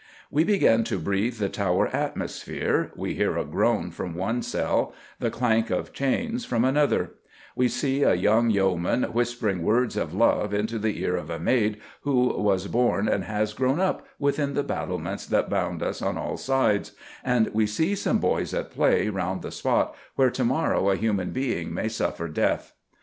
We begin to breathe the Tower atmosphere, we hear a groan from one cell, the clank of chains from another; we see a young yeoman whispering words of love into the ear of a maid who was born and has grown up within the battlements that bound us on all sides, and we see some boys at play round the spot where to morrow a human being may suffer death.